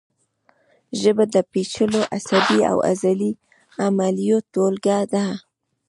ژبه د پیچلو عصبي او عضلي عملیو ټولګه ده